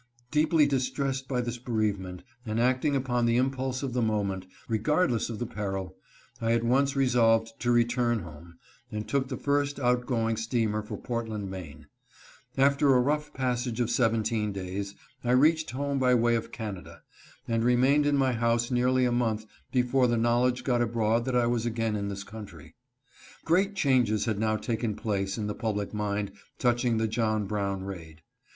Deeply distressed by this bereavement, and acting upon the impulse of the moment, regardless of the peril, I at once resolved to return home, and took the first outgoing steamer for Portland, Maine. After a rough passage of seventeen days I reached home by way of Canada, and remained in my house nearly a month before the knowledge got abroad that I was again in this country. Great changes had now taken place in the public mind touching the John Brown raid.